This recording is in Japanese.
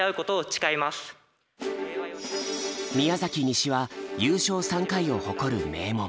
西は優勝３回を誇る名門。